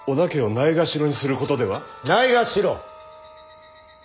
ないがしろ？